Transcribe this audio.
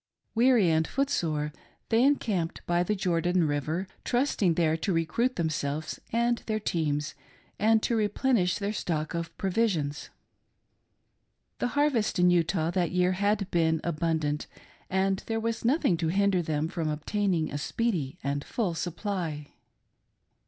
Weary and footsore they encamped by the Jordan Rivef, trusting there to recruit themselves and their teams, and to replenish their stock of provisions. The harvest in Utah that year had been abundant, and there was nothing to hinder them from obtaining a speedy and full supply.